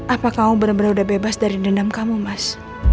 apa kamu benar benar udah bebas dari dendam kamu mas